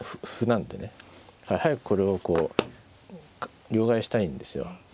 早くこれをこう両替したいんですよ。